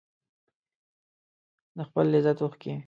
د خپل لذت اوښکې